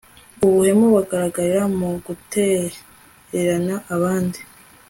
ubuhemu bugaragarira mu gutererana abandi